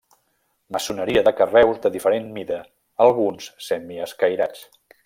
Maçoneria de carreus de diferent mida, alguns semi escairats.